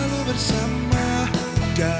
nggak biasa aja